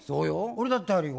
俺だってあるよ。